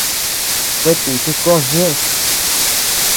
Kuetíchi kon ñeʼes.